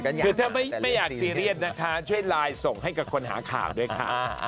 คือถ้าไม่อยากซีเรียสนะคะช่วยไลน์ส่งให้กับคนหาข่าวด้วยค่ะ